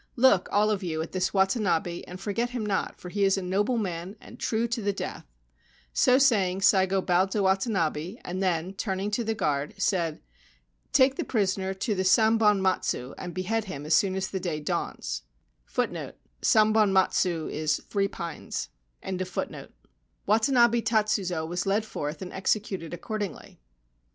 Look, all of you, at this Watanabe, and forget him not, for he is a noble man and true to the death/ So saying, Saigo bowed to Watanabe, and then, turning to the guard, said : 4 Take the prisoner to the Sambon matsu,1 and behead him as soon as the day dawns/ Watanabe Tatsuzo was led forth and executed accordingly.